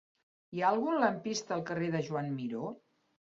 Hi ha algun lampista al carrer de Joan Miró?